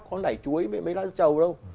có nảy chuối mấy lá chầu đâu